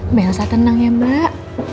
mbak elsa tenang ya mbak